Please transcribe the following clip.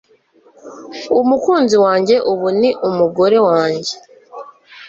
umukunzi wanjye ubu ni umugore wanjye